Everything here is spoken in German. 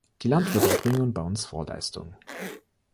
Die Landwirte erbringen bei uns Vorleistungen.